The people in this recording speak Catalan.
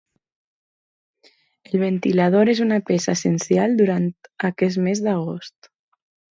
El ventilador és una peça essencial durant aquest mes d'agost.